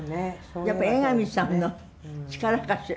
やっぱ江上さんの力かしら。